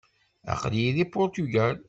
Aql-iyi deg Puṛtugal.